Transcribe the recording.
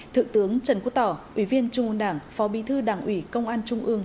thượng tướng trần quốc tỏ ủy viên trung ương đảng phó bí thư đảng ủy công an trung ương